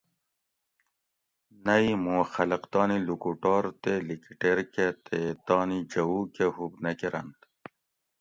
نہ ای مُوں خلق تانی لوکوٹور تے لِکیٹیر کہ تے تانی جوؤ کہ ہُوب نہ کۤرنت